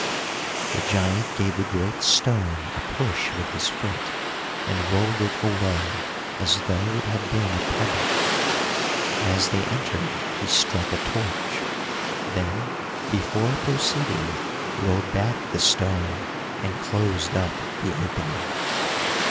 The giant gave the great stone a push with his foot, and rolled it away as though it had been a pebble. As they entered he struck a torch, then, before proceeding, rolled back the stone and closed up the opening.